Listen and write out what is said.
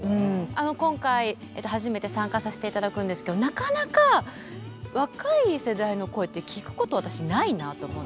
今回、初めて参加させていただくんですけどなかなか若い世代の声って聴くこと、私ないなと思って。